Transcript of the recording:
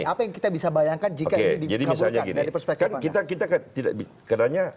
apa yang kita bisa bayangkan jika dikaburkan dari perspektif mana